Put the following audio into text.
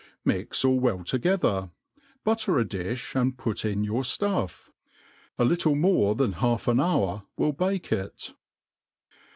Mix all well together, butter a difli, atid put ia your ftuflF. A little mor« than half an hour will bake it.